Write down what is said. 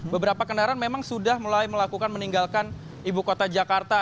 beberapa kendaraan memang sudah mulai melakukan meninggalkan ibu kota jakarta